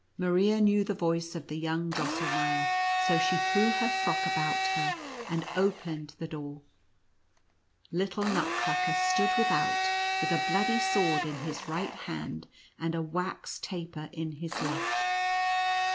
Maria knew the voice of the young Drosselmeier, so she threw her frock about her, and opened the door. Little Nutcracker stood without, with a bloody sword in his right hand, and a wax taper in his left.